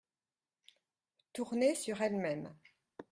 Tourner sur elle-même.